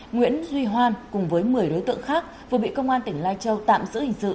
nguyễn duy hoan cùng với một mươi đối tượng khác vừa bị công an tỉnh lai châu tạm giữ hình sự